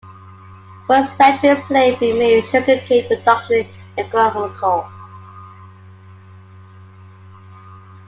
For centuries slavery made sugarcane production economical.